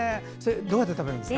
どうやって食べるんですか？